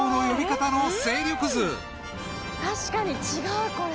・確かに違うこれ。